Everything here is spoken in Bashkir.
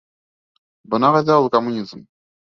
Бына ҡайҙа ул коммунизм!